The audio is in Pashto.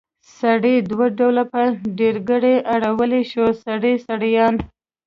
سړی دوه ډوله په ډېرګړي اړولی شو؛ سړي، سړيان.